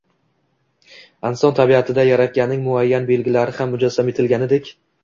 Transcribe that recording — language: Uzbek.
Inson tabiatida Yaratganning muayyan belgilari ham mujassam etilganidek